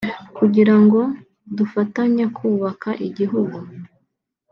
kugira ngo dufatanye kubaka igihugu